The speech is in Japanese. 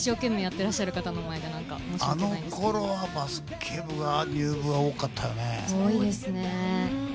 あのころはバスケ部の入部は多かったよね。